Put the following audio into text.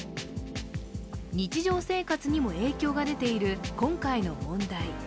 日常生活にも影響が出ている今回の問題。